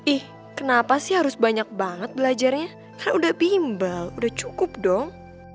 ih kenapa sih harus banyak banget belajarnya karena udah bimbel udah cukup dong